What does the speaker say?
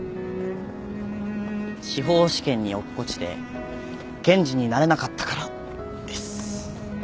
司法試験に落っこちて検事になれなかったからです。